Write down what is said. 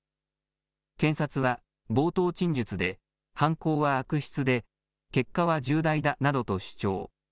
検察は冒頭陳述で、犯行は悪質で、結果は重大だなどと主張。